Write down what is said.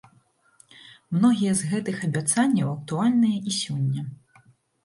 Многія з гэтых абяцанняў актуальныя і сёння.